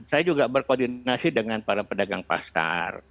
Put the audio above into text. saya juga berkoordinasi dengan para pedagang pasar